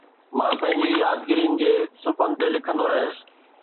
مان پنهنجي يادگيرين جي صفحن تي لکندو رهيس